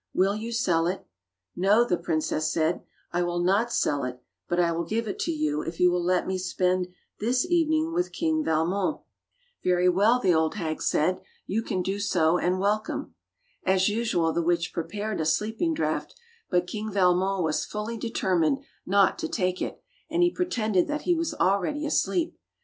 Will you sell it?" "No," the princess said, "I will not sell ' it, but I will give it to you if you will let me spend this evening with King Valmon." 140 Fairy Tale Bears "'Very well," the old hag said, "'y^^ do so and welcome." As usual the witch prepared a sleeping draught, but King Valmon was fully deter mined not to take it, and he pretended that he was already asleep.